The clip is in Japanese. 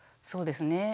そうですね